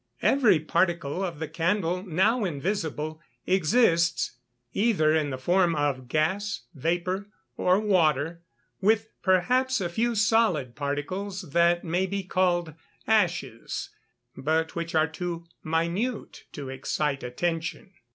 Every particle of the candle, now invisible, exists either in the form of gas, vapour, or water, with, perhaps, a few solid particles that may be called ashes, but which are too minute to excite attention.